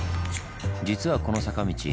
実はこの坂道